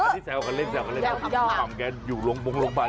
ที่แซวกันเล่นแซวกันเล่นกับพี่หม่ำแกอยู่โรงพยาบาล